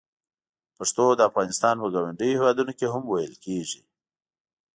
پښتو د افغانستان په ګاونډیو هېوادونو کې هم ویل کېږي.